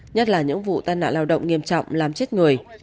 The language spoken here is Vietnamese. nhất là những vụ tai nạn lao động nghiêm trọng làm chết người